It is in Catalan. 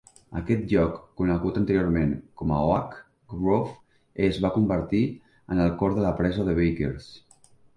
Aquest lloc, conegut anteriorment com a Oak Grove, es va convertir en el cor de la presa de Bakers.